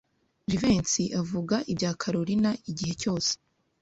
Jivency avuga ibya Kalorina igihe cyose.